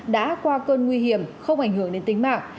đã qua cơn nguy hiểm không ảnh hưởng đến tính mạng